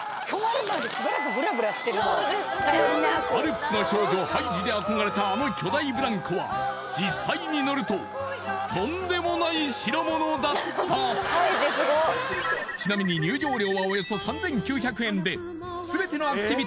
「アルプスの少女ハイジ」で憧れたあの巨大ブランコは実際に乗るととんでもない代物だったちなみに続いてまた？